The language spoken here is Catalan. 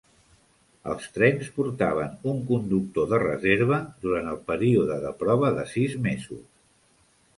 Els trens portaven un conductor de reserva durant el període de prova de sis mesos.